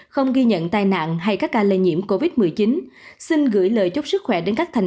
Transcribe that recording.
không ghi nhận tai nạn hay các ca lây nhiễm covid một mươi chín xin gửi lời chúc sức khỏe đến các thành